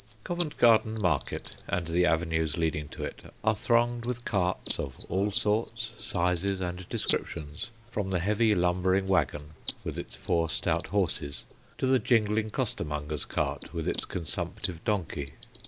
Covent Garden Market, and the avenues leading to it, are thronged with carts of all sorts, sizes, and descriptions, from the heavy lumber ing waggon, with its four stout horses, to the jingling costermonger's cart, with its consumptive donkey.